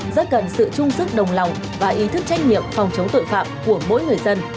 rất cần sự trung sức đồng lòng và ý thức trách nhiệm phòng chống tội phạm của mỗi người dân